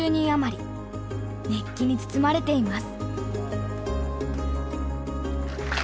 熱気に包まれています。